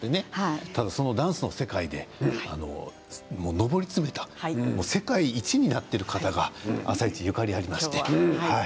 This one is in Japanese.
そのダンスの世界で上り詰めた世界一になっている方が「あさイチ」にゆかりがあります。